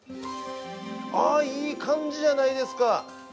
ああ、いい感じじゃないですか。